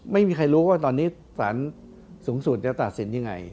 ไม่มีใครรู้ว่าตอนนี้สารสูงสุดจะตัดสินยังไง